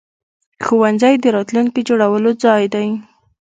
ښوونځی د راتلونکي جوړولو ځای دی.